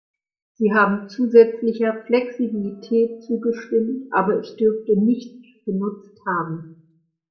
Sie haben zusätzlicher Flexibilität zugestimmt, aber es dürfte nichts genutzt haben.